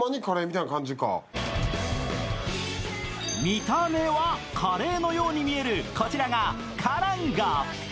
見た目はカレーのように見えるこちらがカランガ。